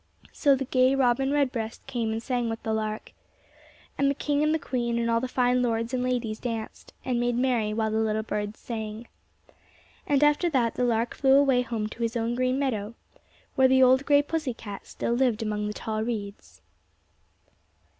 So the gay robin redbreast came and sang with the lark. And the king and the queen and all the fine lords and ladies danced and made merry while the little birds sang. And after that the lark flew away home to his own green meadow, where the old gray pussy cat still lived among the tall reeds.